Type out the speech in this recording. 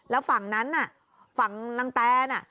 แล้วฝั่งนั้นน่ะฝั่งนางแตน